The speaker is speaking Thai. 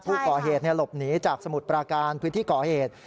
ผู้ก่อเหตุหลบหนีจากสมุทรปราการพื้นที่ก่อเหตุ